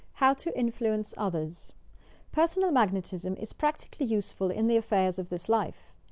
HOW TO INFLUENCE OTHERS Personal Magnetism is practically useful in the affairs of this life.